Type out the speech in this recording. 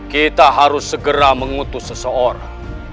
kita harus segera mengutus seseorang